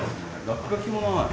落書きもない。